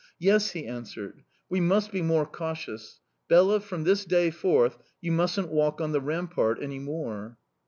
"'Yes,' he answered. 'We must be more cautious Bela, from this day forth you mustn't walk on the rampart any more.